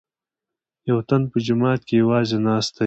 یوتن په جومات کې یوازې ناست دی.